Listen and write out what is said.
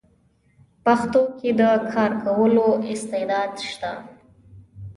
پښتو کې د کار کولو استعداد شته: